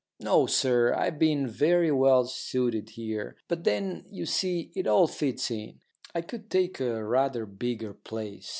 "No, sir, I've been very well suited here. But then, you see, it all fits in. I could take a rather bigger place.